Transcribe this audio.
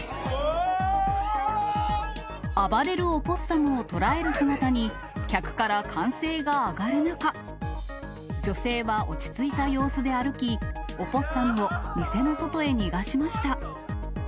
暴れるオポッサムを捕える姿に、客から歓声が上がる中、女性は落ち着いた様子で歩き、オポッサムを店の外へ逃がしました。